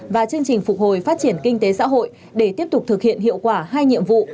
và chương trình phục hồi phát triển kinh tế xã hội để tiếp tục thực hiện hiệu quả hai nhiệm vụ